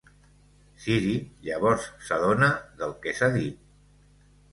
Siri llavors s'adona del que s'ha dit.